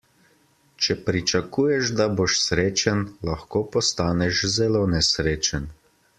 Če pričakuješ, da boš srečen, lahko postaneš zelo nesrečen.